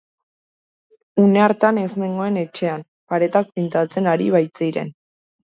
Une hartan ez nengoen etxean, paretak pintatzen ari baitziren.